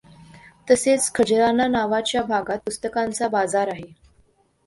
तसेच खजराना नावाच्या भागात पुस्तकांचा बाजार आहे.